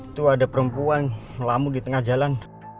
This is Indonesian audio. itu ada perempuan melamu di tengah jalan